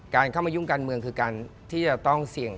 เข้ามายุ่งการเมืองคือการที่จะต้องเสี่ยง